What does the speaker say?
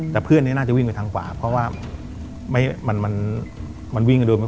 แต่เพื่อนนี้น่าจะวิ่งไปทางขวาเพราะว่ามันมันวิ่งกันโดยไม่